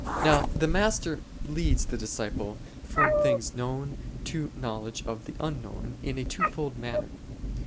Now the master leads the disciple from things known to knowledge of the unknown, in a twofold manner.